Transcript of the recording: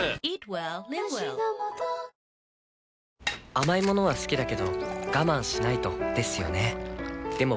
甘い物は好きだけど我慢しないとですよね